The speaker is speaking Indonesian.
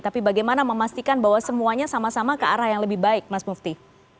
tapi bagaimana memastikan bahwa semuanya sama sama ke arah yang lebih baik mas mufti